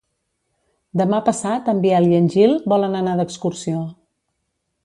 Demà passat en Biel i en Gil volen anar d'excursió.